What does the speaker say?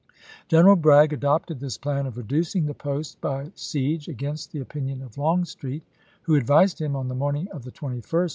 General Bragg adopted this plan of reducing the post by siege against the opinion of Longstreet, who advised him on the morning of the 21st to Sept.